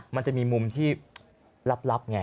มันจะมีมุมที่ลับไง